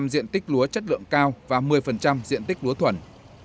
bốn mươi diện tích lúa chất lượng cao và một mươi diện tích lúa thuần